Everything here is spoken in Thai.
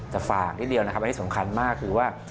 แต่ฝากนิดเดียวนะครับอันนี้สำคัญมากคือว่า